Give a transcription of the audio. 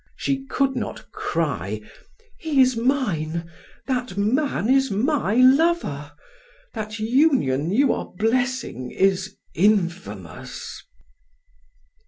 She could not cry: "He is mine, that man is my lover. That union you are blessing is infamous."